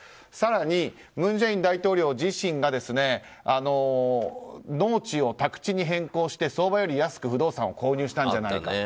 更に、文在寅大統領自身が農地を宅地に変更して相場より安く不動産を購入したんじゃないか。